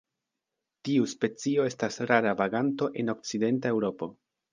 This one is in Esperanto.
Tiu specio estas rara vaganto en okcidenta Eŭropo.